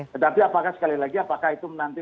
tetapi apakah sekali lagi apakah itu nanti